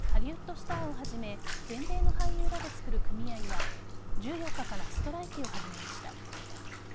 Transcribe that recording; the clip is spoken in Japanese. スターをはじめ全米の俳優らでつくる組合は１４日からストライキを始めました。